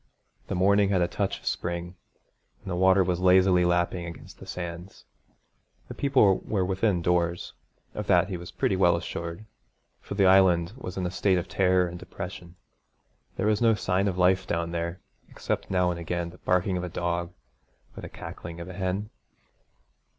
The morning had a touch of spring, and the water was lazily lapping against the sands. The people were within doors, of that he was pretty well assured for the Island was in a state of terror and depression. There was no sign of life down there except now and again the barking of a dog or the cackling of a hen.